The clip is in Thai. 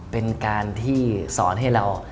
เป็นการที่สอนให้เรา